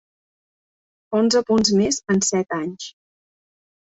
Onze punts més en set anys.